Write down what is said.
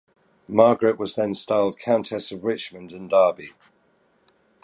Margaret was then styled "Countess of Richmond and Derby".